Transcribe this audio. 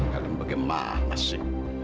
kalian bagaimana sih